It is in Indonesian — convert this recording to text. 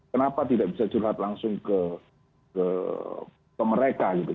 kenapa tidak bisa curhat langsung ke mereka gitu